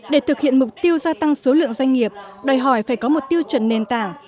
để thực hiện mục tiêu gia tăng số lượng doanh nghiệp đòi hỏi phải có một tiêu chuẩn nền tảng